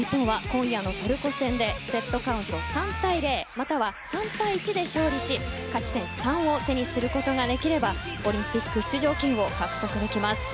日本は今夜のトルコ戦でセットカウント３対０または、３対１で勝利し勝ち点３を手にすることができればオリンピック出場権を獲得できます。